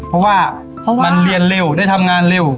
เพราะว่ามันเรียนเร็วได้ทำงานเร็ว